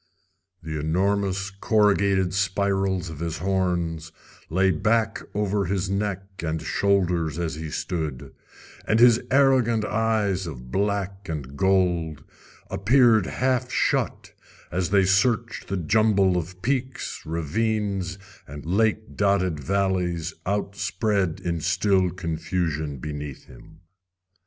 The enormous corrugated spirals of his horns lay back over his neck and shoulders as he stood, and his arrogant eyes of black and gold appeared half shut as they searched the jumble of peaks, ravines, and lake dotted valleys outspread in still confusion beneath him.